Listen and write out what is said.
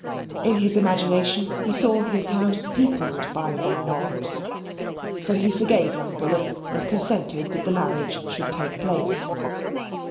In his imagination he saw his house peopled by the "nobs." So he forgave young Bullock and consented that the marriage should take place.